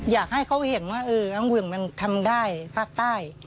อยากให้เขาเห็นว่าอังุ่นมันทำได้ภาคใต้